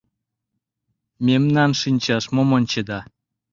Мемнан шинчаш мом ончеда?